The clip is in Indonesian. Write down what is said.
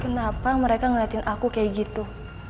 kenapa mereka ngeliatin aku kayak gitu